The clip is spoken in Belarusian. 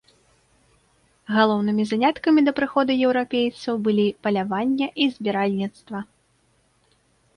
Галоўнымі заняткамі да прыходу еўрапейцаў былі паляванне і збіральніцтва.